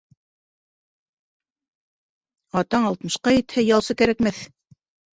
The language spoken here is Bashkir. Атаң алтмышҡа етһә, ялсы кәрәкмәҫ